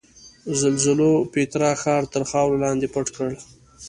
زلزلو پیترا ښار تر خاورو لاندې پټ کړ.